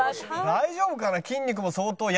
大丈夫かな？